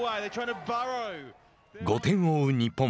５点を追う日本。